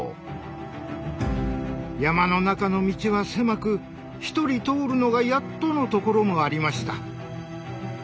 山の中の道は狭く１人通るのがやっとの所もありました。